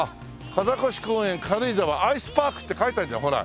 「風越公園軽井沢アイスパーク」って書いてあるじゃんほら。